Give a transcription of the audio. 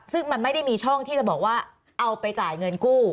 ซึ่งมันไม่ได้มีช่องที่จะบอกว่าเอาไปจ่ายเงินกู้